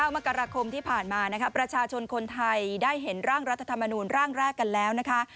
มกราคมที่ผ่านมานะคะประชาชนคนไทยได้เห็นร่างรัฐธรรมนูลร่างแรกกันแล้วนะคะ